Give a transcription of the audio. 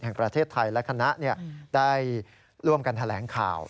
แห่งประเทศไทยและคณะได้ร่วมกันแถลงข่าว